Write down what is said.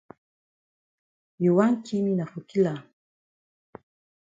You wan ki me na for kill am.